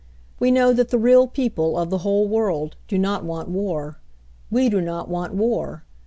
"We know that the real people of the whole world do not want war. We do not want war.